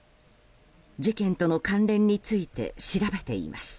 事件との関連について調べています。